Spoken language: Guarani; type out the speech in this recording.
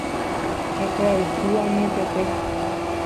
Hekoayhu añete.